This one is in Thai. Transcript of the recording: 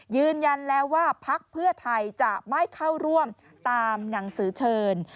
ยืนยันแล้วว่าพักเพื่อไทยจะไม่เข้าร่วมตามหนังสือเชิญ